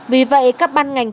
vì vậy các ban ngành